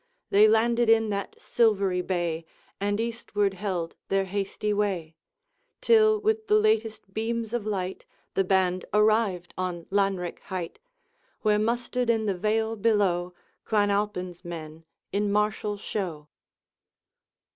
They landed in that silvery bay, And eastward held their hasty way Till, with the latest beams of light, The band arrived on Lanrick height' Where mustered in the vale below Clan Alpine's men in martial show.